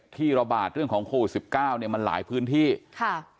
ที่ระบาดเรื่องของโควิดสิบเก้าเนี่ยมันหลายพื้นที่ค่ะ